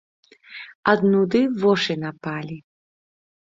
Ад нуды вошы напалі.